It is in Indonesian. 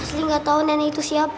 astri gak tau nenek itu siapa